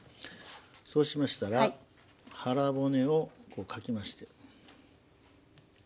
そうしましたら腹骨をこうかきまして。